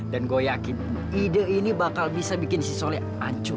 dan gua yakin ide ini bakal bisa bikin si soleh hancur